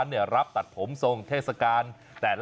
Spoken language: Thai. นานแล้ว